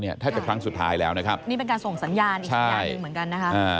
นี่เป็นการส่งสัญญาณอีกสัญญาณนึงเหมือนกันนะครับ